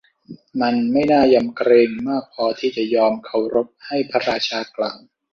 มันไม่น่ายำเกรงมากพอที่จะยอมเคารพให้ พระราชากล่าว